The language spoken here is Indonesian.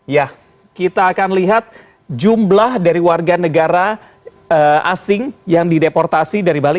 ya kita akan lihat jumlah dari warga negara asing yang dideportasi dari bali